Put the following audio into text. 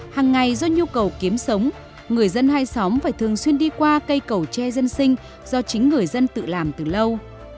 hàng ngày do nhu cầu kiếm sống người dân hai xóm phải thường xuyên đi qua cây cầu tre dân sinh do chính người dân tự làm từ lâu